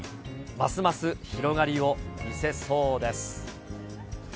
ますます広がりを見せそうです。